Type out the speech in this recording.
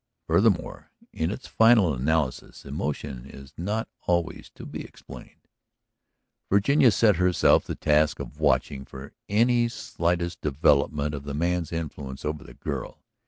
Furthermore, in its final analysis, emotion is not always to be explained. Virginia set herself the task of watching for any slightest development of the man's influence over the girl.